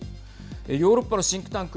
ヨーロッパのシンクタンク